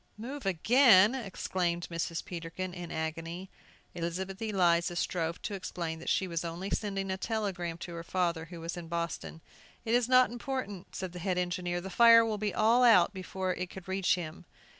"Move again!" exclaimed Mrs. Peterkin, in agony. Elizabeth Eliza strove to explain that she was only sending a telegram to her father, who was in Boston. "It is not important," said the head engineer; "the fire will all be out before it could reach him."